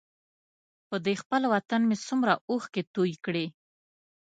په دې خپل وطن مې څومره اوښکې توی کړې.